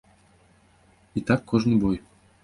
І так кожны бой.